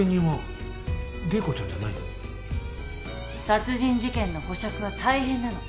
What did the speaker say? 殺人事件の保釈は大変なの。